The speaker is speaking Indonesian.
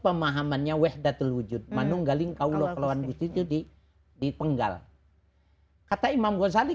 pemahamannya wehdatul wujud manunggaling kaulo ke lawan gusti itu dipenggal kata imam ghazali